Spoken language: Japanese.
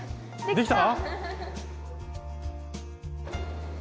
できた。